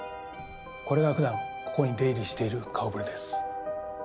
これが普段ここに出入りしている顔ぶれです。